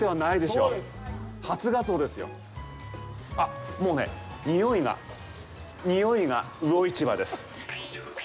あっ、もうね、匂いが、匂いが魚市場です。